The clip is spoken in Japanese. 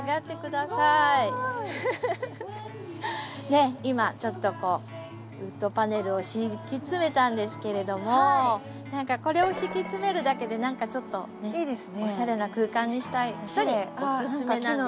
ねっ今ちょっとこうウッドパネルを敷き詰めたんですけれども何かこれを敷き詰めるだけでちょっとねおしゃれな空間にしたい人におすすめなんです。